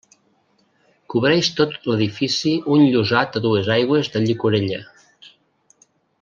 Cobreix tot l'edifici un llosat a dues aigües de llicorella.